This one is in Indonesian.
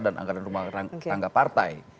dan anggaran rumah tangga partai